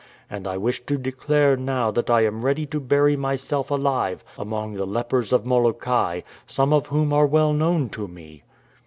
And I wish to declare now that I am ready to bury myself alive among the lepers of Molokai, some of whom are well known to me."